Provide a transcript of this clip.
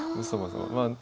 そもそも。